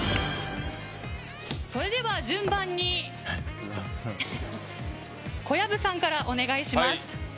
それでは、順番に小籔さんからお願いします。